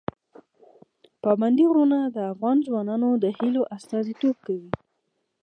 پابندي غرونه د افغان ځوانانو د هیلو استازیتوب کوي.